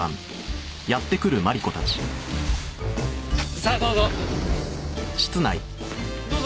さあどうぞ。